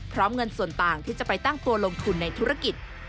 เงินส่วนต่างที่จะไปตั้งตัวลงทุนในธุรกิจ